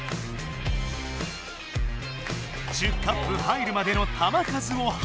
１０カップ入るまでの球数をはかる。